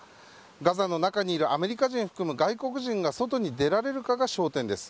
ガザの中にいるアメリカ人含む外国人が外に出られるかが焦点です。